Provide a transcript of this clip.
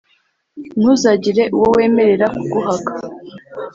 ntuzagire uwo wemerera kuguhaka,